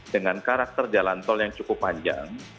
dengan karakter jalan tol yang cukup panjang